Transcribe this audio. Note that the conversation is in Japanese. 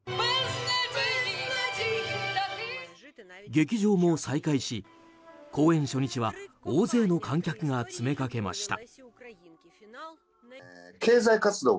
劇場も再開し、公演初日は大勢の観客が詰めかけました。